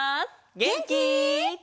げんき？